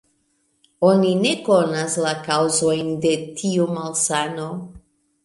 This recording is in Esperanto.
Oni ne konas la kaŭzojn de tiu malsano.